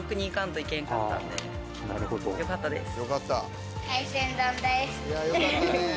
よかったです。